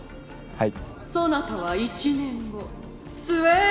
はい！